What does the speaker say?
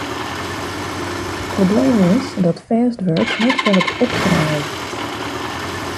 Probleem is dat fêst wurk net foar it opkrijen leit.